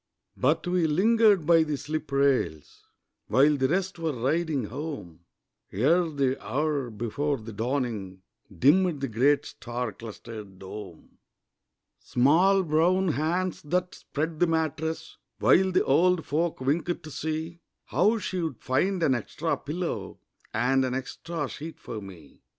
But we lingered by the slip rails While the rest were riding home, Ere the hour before the dawning, Dimmed the great star clustered dome. Small brown hands that spread the mattress While the old folk winked to see How she'd find an extra pillow And an extra sheet for me.